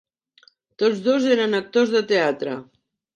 Tots dos eren actors de teatre.